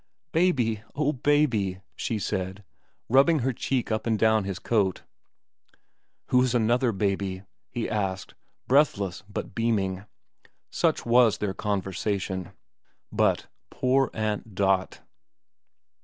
' Baby, oh, baby !' she said, rubbing her cheek up and down his coat. ' Who's another baby ?' he asked, breathless but beaming. Such was their conversation. But poor Aunt Dot.